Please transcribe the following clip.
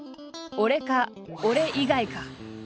「俺か、俺以外か。」。